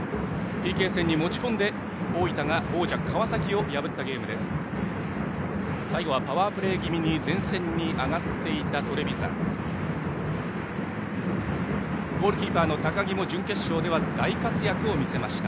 ＰＫ戦に持ち込んで大分が、王者・川崎を破ったゲームでした。